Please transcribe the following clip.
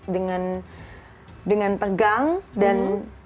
dengan dengan tegang dan